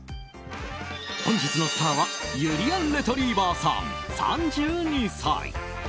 本日のスターはゆりやんレトリィバァさん３２歳。